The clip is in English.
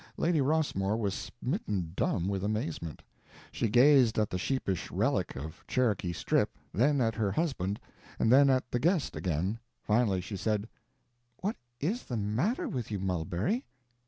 Lady Rossmore was smitten dumb with amazement. She gazed at the sheepish relic of Cherokee Strip, then at her husband, and then at the guest again. Finally she said: "What is the matter with you, Mulberry?"